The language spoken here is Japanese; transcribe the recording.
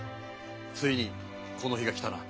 ついにこの日が来たな。